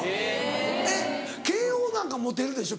えっ慶應なんかモテるでしょ